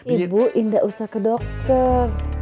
ibu indah usah ke dokter